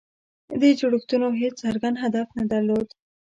دې جوړښتونو هېڅ څرګند هدف نه درلود.